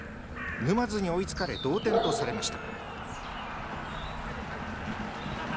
沼津に追いつかれ同点とされました。